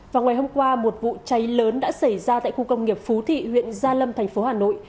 vào ngày hôm qua một vụ cháy lớn đã xảy ra tại khu công nghiệp phú thị huyện gia lâm thành phố hà nội